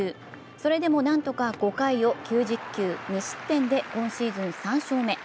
それでもなんとか５回を９０球、２失点で今シーズン３勝目。